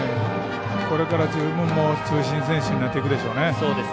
これから十分中心選手になっていくでしょうね。